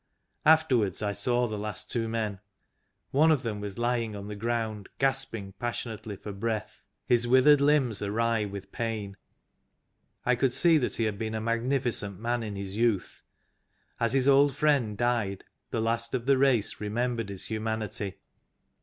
Afterwards I saw the last two men. One of them was lying on the ground gasping passionately for breath, his withered limbs awry with pain. I could see that he had been a magnificent man in his youth. As his old friend died, the Last of the Race remembered his Humanity.